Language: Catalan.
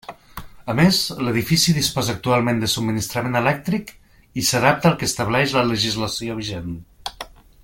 A més, l'edifici disposa actualment de subministrament elèctric i s'adapta al que estableix la legislació vigent.